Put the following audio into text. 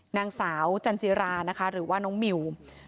นางสาวจันจิรานะคะหรือว่าน้องมิว